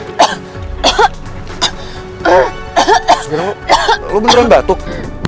sebenernya lo beneran batuk